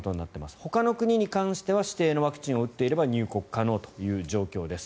ほかの国に関しては指定のワクチンを打っていれば入国可能という状況です。